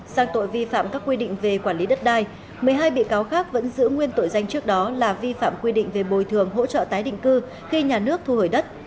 sang tội vi phạm các quy định về quản lý đất đai một mươi hai bị cáo khác vẫn giữ nguyên tội danh trước đó là vi phạm quy định về bồi thường hỗ trợ tái định cư khi nhà nước thu hồi đất